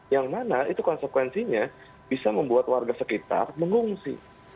yang mana itu konsekuensinya bisa membuat warga sekitar mengungsi